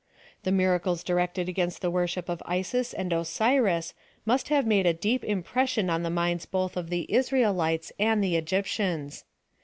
The miracles direct ed against the worship of Isis and Osiris must have made a deep impression on the minds both of the Israelites and the Egyptians.